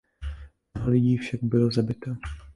Mnoho lidí však bylo zabito.